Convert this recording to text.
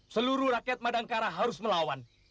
seluruh rakyat madangkara harus melawan